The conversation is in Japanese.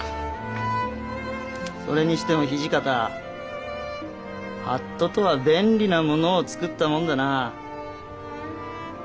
それにしても土方法度とは便利なものを作ったもんだな。